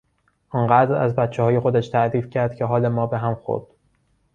آنقدر از بچههای خودش تعریف کرد که حال ما به هم خورد.